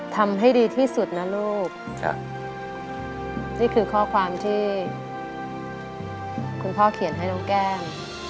ทำให้ดีที่สุดนะลูกนี่คือข้อความที่คุณพ่อเขียนให้น้องแก้ม